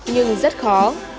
nhưng rất khó